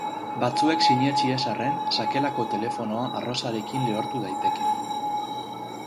Batzuek sinetsi ez arren, sakelako telefonoa arrozarekin lehortu daiteke.